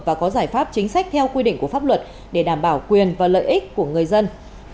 và có giải pháp chính sách theo quy định của pháp luật để đảm bảo quyền và lợi ích của người dân